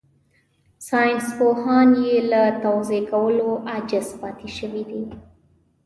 ساينسپوهان يې له توضيح کولو عاجز پاتې شوي دي.